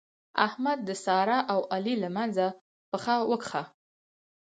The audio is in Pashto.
احمد د سارا او علي له منځه پښه وکښه.